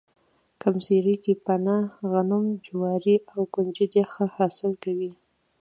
ګرمسیر کې پنه، غنم، جواري او ُکنجدي ښه حاصل کوي